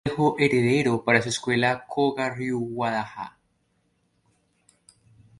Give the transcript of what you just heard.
Fujita no dejó heredero para su Escuela Kōga-ryū Wada Ha.